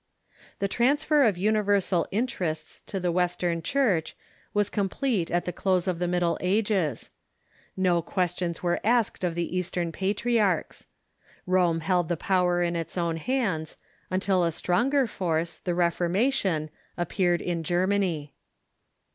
The transfer of universal interests to the Western Church was complete at the close of the Middle Ages. No questions were asked of the Eastern patriarchs. Rome held the power in its own hands, until a stronger force, the Reformation, appeared in Germany.